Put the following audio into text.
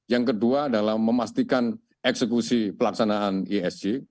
yang kedua adalah memastikan eksekusi pelaksanaan isg